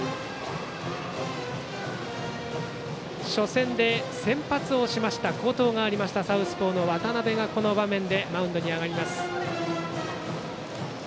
初戦で先発をしました好投がありましたサウスポーの渡部が、この場面でマウンドに上がります。